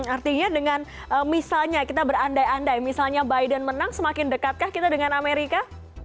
artinya dengan misalnya kita berandai andai misalnya biden menang semakin dekatkah kita dengan amerika